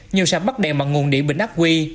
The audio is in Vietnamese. nhiều sạp bắt đèn bằng nguồn địa bình ác huy